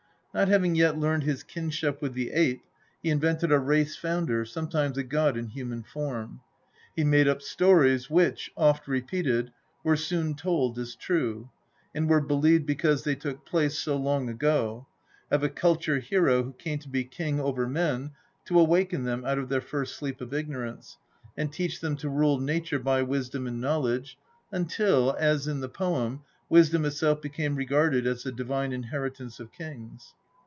Not having yet learned his kinship with the ape, he invented a race founder, some times a god in human form. He made up stories which, oft repeated, were soon told as true, and were believed because they took place so " long ago " of a culture hero who came to be king over men, to awaken them out of their first sleep of ignorance, and teach them to rule nature by wisdom and knowledge, until, as in the poem, wisdom itself became regarded as the divine inheritance of kings.